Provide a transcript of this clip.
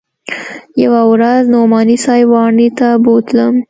يوه ورځ نعماني صاحب واڼې ته بوتلم.